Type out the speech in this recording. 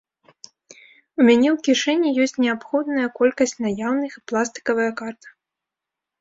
У мяне у кішэні ёсць неабходная колькасць наяўных і пластыкавая карта.